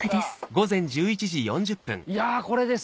いやこれです！